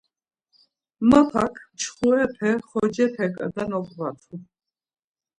Mapak mçxurepe, xocepe kada noǩvatu.